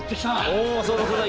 おおそうだそうだ。